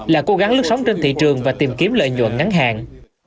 là cố gắng lướt sóng trên thị trường và tìm kiếm lợi nhuận ngắn hạn